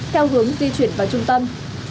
keo hướng di chuyển vào trung tâm